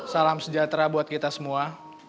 salam sejahtera buat kita semua